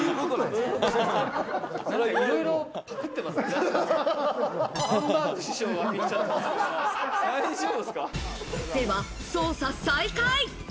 では捜査再開。